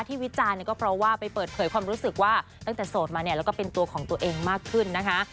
วิจารณ์เนี่ยก็เพราะว่าไปเปิดเผยความรู้สึกว่าตั้งแต่โสดมาเนี่ยแล้วก็เป็นตัวของตัวเองมากขึ้นนะคะ